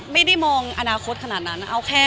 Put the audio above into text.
ไม่ได้มองอนาคตขนาดนั้น